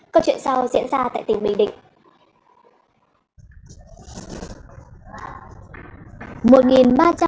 câu chuyện sau diễn ra tại tỉnh bình định